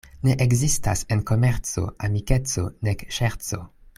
Ne ekzistas en komerco amikeco nek ŝerco.